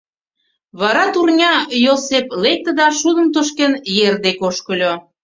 Вара турня, Йоосеп, лекте да шудым тошкен ер дек ошкыльо.